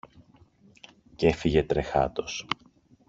Κι έφυγε τρεχάτος.